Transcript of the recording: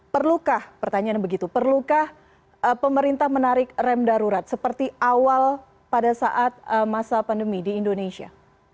perlukah pertanyaan begitu perlukah pemerintah menarik rem darurat seperti awal pada saat masa pandemi di indonesia